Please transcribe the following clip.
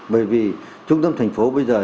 bởi vì trung tâm thành phố bây giờ